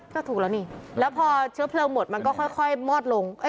ก็ถูกแล้วนี่แล้วพอเชื้อเพลิงหมดมันก็ค่อยมอดลง